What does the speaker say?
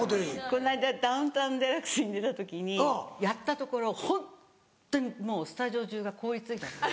この間『ダウンタウンＤＸ』に出た時にやったところホンットにもうスタジオ中が凍り付いた。